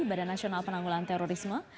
pada nasional penanggulan terorisme